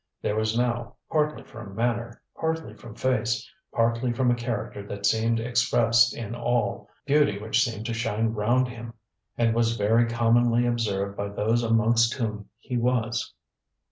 There was now partly from manner, partly from face, partly from a character that seemed expressed in all, beauty which seemed to shine round him, and was very commonly observed by those amongst whom he was.